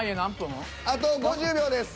あと５０秒です。